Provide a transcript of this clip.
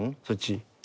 そっち。